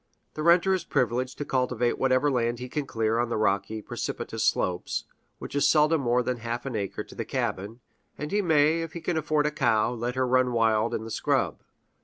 The renter is privileged to cultivate whatever land he can clear on the rocky, precipitous slopes, which is seldom more than half an acre to the cabin; and he may, if he can afford a cow, let her run wild in the scrub.